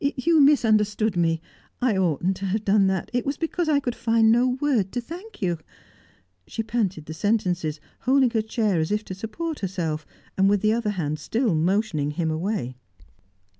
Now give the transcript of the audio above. You misunderstood me. I oughtn't to have done that. It was because I could find no word to thank you." She panted the sentences, holding her chair as if to support herself, and with the other hand still motioning him away.